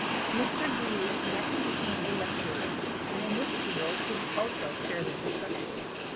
Mr. Greeley next became a lecturer, and in this field he was also fairly successful.